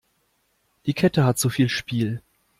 Die Kette hat zu viel Spiel.